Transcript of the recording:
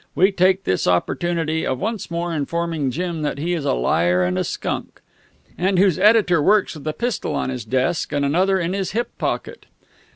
We take this opportunity of once more informing Jim that he is a liar and a skunk," and whose editor works with a pistol on his desk and another in his hip pocket.